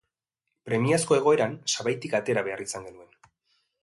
Premiazko egoeran, sabaitik atera behar izan genuen.